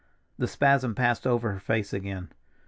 The spasm passed over her face again.